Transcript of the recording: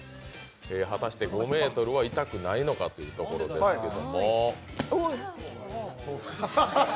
果たして５ｍは痛くないのかというところですけれども。